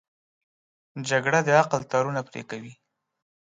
جګړه د عقل تارونه پرې کوي